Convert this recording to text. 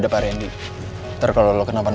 ada pelajaran atomic impan